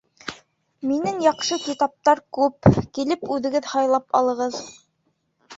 Минең яҡшы китаптар күп, килеп үҙегеҙ һайлап алығыҙ